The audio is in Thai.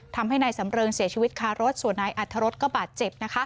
ทำให้นายสำเริงเสียชีวิตคารถส่วนนายอัธรสก็บาดเจ็บ